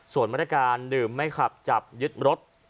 ส่วนมาตรการดื่มไม่ขับจับยึดรถ